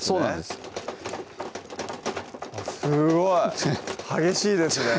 すごい激しいですね